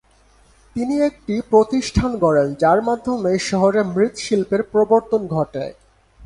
তিনি একটি প্রতিষ্ঠান গড়েন যার মাধ্যমে শহরে মৃৎশিল্পের প্রবর্তন ঘটে।